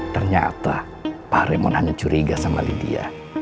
ternyata pak raymond hanya curiga sama lydia